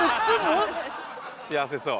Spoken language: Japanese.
幸せそう。